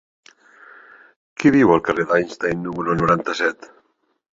Qui viu al carrer d'Albert Einstein número noranta-set?